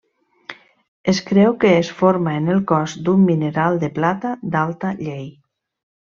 Es creu que es forma en el cos d'un mineral de plata d'alta llei.